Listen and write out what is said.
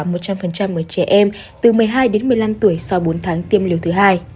với trẻ em từ một mươi hai đến một mươi năm tuổi sau bốn tháng tiêm liều thứ hai